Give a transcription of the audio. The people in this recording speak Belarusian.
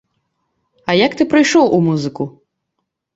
А як ты прыйшоў у музыку?